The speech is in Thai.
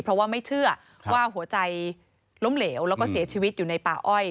เพราะว่าไม่เชื่อว่าหัวใจล้มเหลวแล้วก็เสียชีวิตอยู่ในป่าอ้อย